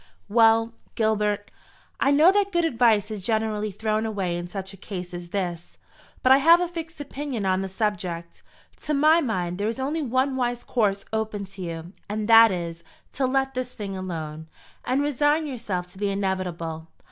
"Well, Gilbert, I know that good advice is generally thrown away in such a case as this; but I have a fixed opinion on the subject. To my mind, there is only one wise course open to you, and that is, to let this thing alone, and resign yourself to the inevitable.